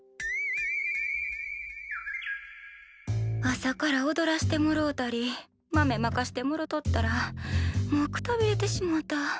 朝からおどらしてもろうたり豆まかしてもろとったらもうくたびれてしもうた。